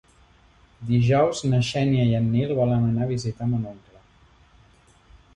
Dijous na Xènia i en Nil volen anar a visitar mon oncle.